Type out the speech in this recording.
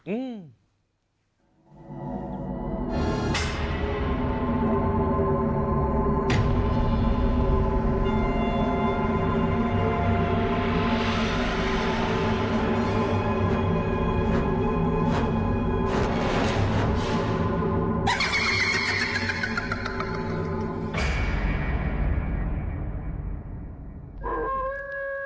อืม